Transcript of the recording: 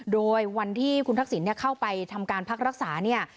โดยวันที่คุณทักษิณเข้าไปทำการพักรักษาเนี่ย